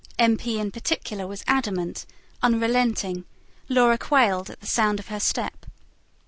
M. P. in particular was adamant, unrelenting; Laura quailed at the sound of her step.